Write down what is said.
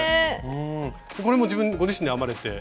これもご自身で編まれて？